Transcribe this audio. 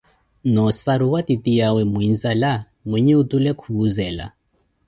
Noo ossaruwa titiyawe muinzala, mwinhe otule khuzela,